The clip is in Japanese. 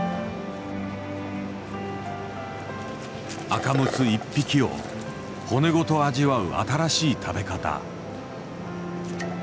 アカムツ１匹を骨ごと味わう新しい食べ方。